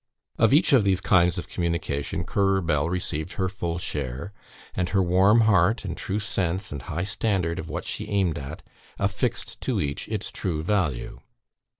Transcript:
Of each of these kinds of communication Currer Bell received her full share; and her warm heart, and true sense and high standard of what she aimed at, affixed to each its true value.